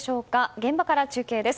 現場から中継です。